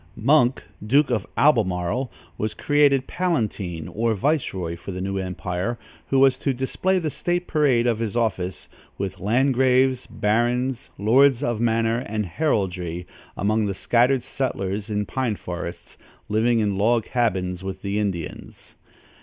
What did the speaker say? Monk, Duke of Albemarle, was created palatine or viceroy for the new empire, who was to display the state parade of his office, with landgraves, barons, lords of manor and heraldry, among the scattered settlers in pine forests, living in log cabins with the Indians.